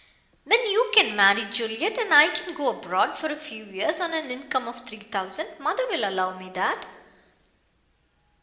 Then you can marry Juliet, and I can go abroad for a few years on an income of three thousand. Mother will allow me that."